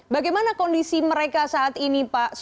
bagaimana kondisi mereka saat ini pak